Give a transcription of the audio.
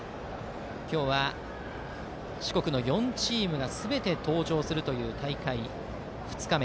今日は四国の４チームがすべて登場するという大会２日目。